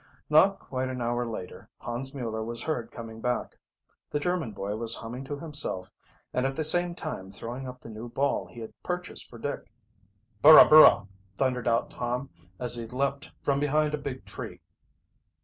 Not quite an hour later Hans Mueller was heard coming back. The German boy was humming to himself and at the same time throwing up the new ball he had purchased for Dick. "Burra! Burra!" thundered out Tom, as he leaped from behind a big tree.